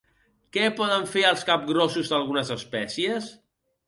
Què poden fer els capgrossos d'algunes espècies?